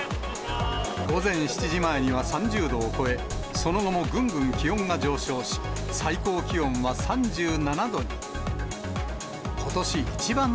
午前７時前には３０度を超え、その後もぐんぐん気温が上昇し、最高気温は３７度に。